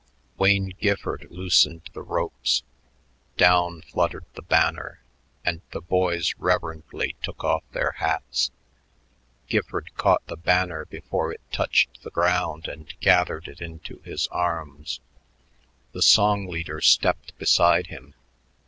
Wayne Gifford loosened the ropes. Down fluttered the banner, and the boys reverently took off their hats. Gifford caught the banner before it touched the ground and gathered it into his arms. The song leader stepped beside him.